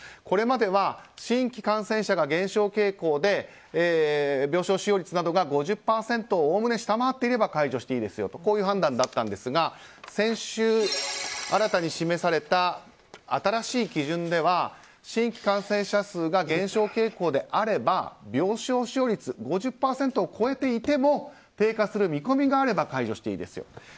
これまでは新規感染者が減少傾向で、病床使用率などが５０％をおおむね下回っていれば解除していいですよとこういう判断だったんですが先週、新たに示された新しい基準では、新規感染者数が減少傾向であれば病床使用率５０％を超えていても低下する見込みがあれば解除していいですよと。